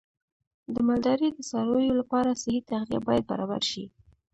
د مالدارۍ د څارویو لپاره صحي تغذیه باید برابر شي.